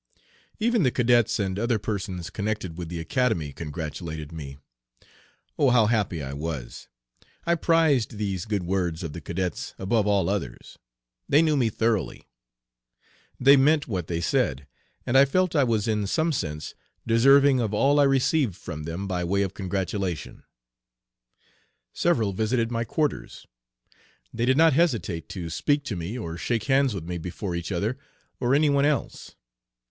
Even the cadets and other persons connected with the Academy congratulated me. Oh how happy I was! I prized these good words of the cadets above all others. They knew me thoroughly. They meant what they said, and I felt I was in some sense deserving of all I received from them by way of congratulation. Several visited my quarters. They did not hesitate to speak to me or shake hands with me before each other or any one else.